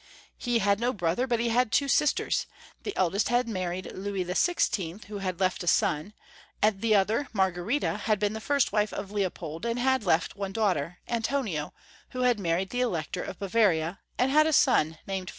He had no brother, but he had two sisters : the eldest had married Louis XVI., who had left a son ; the other, Margarita, had been the first wife of Leopold, and had left one daughter, Antonio, who had married the Elector of Bavaria, and had a son named Ferdinand.